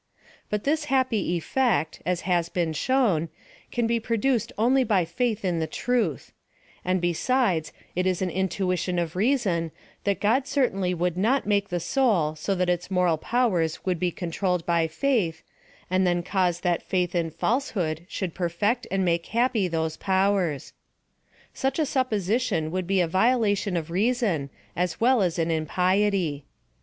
But this happy effect, as has oeen shown, can beproiuccd only by faith in the Truth ; and, besides^ it is an intuition of reason, that God certainly would lot make the soul so that its moral 13 201 PHILOSOPHY OP THE powers would be controlled by faith, and then cause that faith in falsehood should perfect and make happy those powers. Such a supposition would be a violation of reason, as well as an impiety.